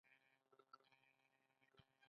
د مشهورو لغتونو ایستل لویه تېروتنه ده.